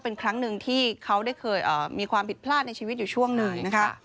เป็นครั้งหนึ่งที่เขาได้เคยมีความผิดพลาดในชีวิตอยู่ช่วงหนึ่งนะคะ